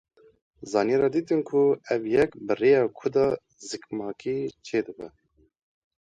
Zanyaran dîtin ku ev yek bi rêya kûda zikmakî çêdibe.